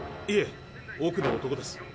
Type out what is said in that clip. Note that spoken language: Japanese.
いえ奥の男です。